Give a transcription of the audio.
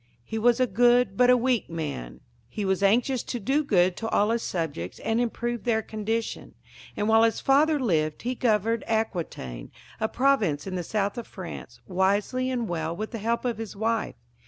He was a good but a weak man. He was anxious to do good to all his subjects and improve their condition, and while his father lived he governed Aquitaine, a province in the south of France, wisely and well with the help of his wife.